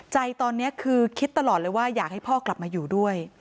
ใจตอนนี้คือคิดตลอดเลยว่าอยากให้พ่อกลับมาอยู่ด้วย